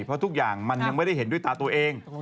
เพราะทุกอย่างมันยังไม่ได้เห็นด้วยตาตัวเอง